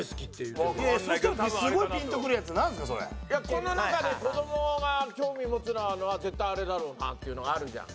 この中で子供が興味持つのは絶対あれだろうなっていうのがあるじゃん。